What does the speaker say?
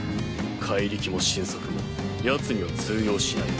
怪力も神速もヤツには通用しない。